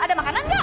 ada makanan gak